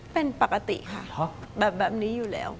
เป็นปกติค่ะแบบนี้อยู่แล้ว